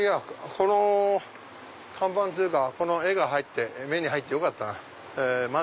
この看板というかこの絵が目に入ってよかったなぁ。